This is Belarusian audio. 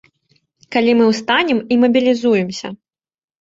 Калі мы ўстанем і мабілізуемся.